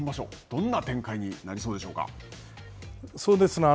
どんな展開になりそうでしょうか。